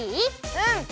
うん！